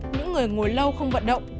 những người ngồi lâu không vận động